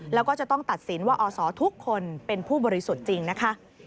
แล้วก็จะต้องตัดสินว่าอศทุกคนเป็นผู้บริสุทธิ์จริงนะคะ